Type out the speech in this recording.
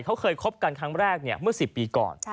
เขาเคยคบกันครั้งแรกเมื่อ๑๐ปีก่อน